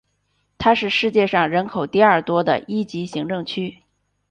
它也是世界上人口第二多的一级行政区。